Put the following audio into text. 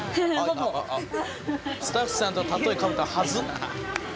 スタッフさんと例えかぶったのはずっ。